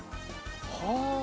はあ。